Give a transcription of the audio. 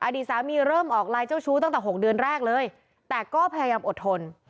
อดีตสามีเริ่มออกไลน์เจ้าชู้ตั้งแต่๖เดือนแรกเลยแต่ก็พยายามอดทน